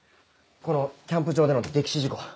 このキャンプ場での溺死事故。